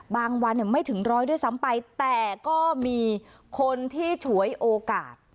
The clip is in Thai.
วันไม่ถึงร้อยด้วยซ้ำไปแต่ก็มีคนที่ฉวยโอกาส